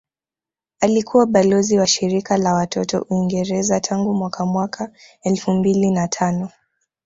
Alikuwa balozi wa shirika la watoto Uingereza tangu mwaka mwaka elfu mbili na tano